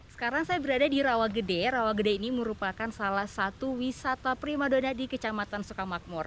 sekarang saya berada di rawagede rawagede ini merupakan salah satu wisata primadona di kecamatan sukamakmur